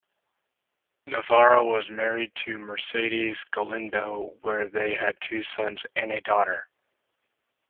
Navarro was married to Mercedes Galindo, where they had two sons and a daughter.